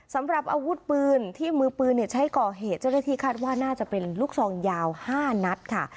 สำหรับอาวุธปืนที่มือปืนใช้ก่อเหตุเจ้าหน้าที่คาดว่าน่าจะเป็นลูกซองยาว๕นัดค่ะ